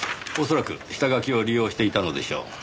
恐らく下書きを利用していたのでしょう。